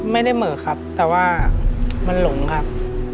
ไม่ได้เมื่อครับแต่ว่ามันหลงครับ